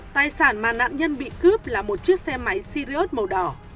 tài sản mà nạn nhân bị cướp là một chiếc xe máy sirius màu đỏ